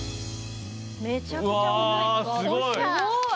めちゃくちゃすごい！